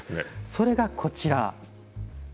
それがこちら。